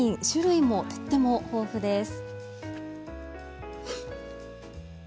種類も、とっても豊富です。